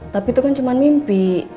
tapi itu kan cuma mimpi